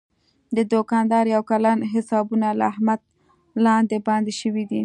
د دوکاندارۍ یو کلن حسابونه له احمده لاندې باندې شوي دي.